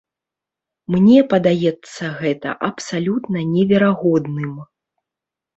Мне падаецца гэта абсалютна неверагодным.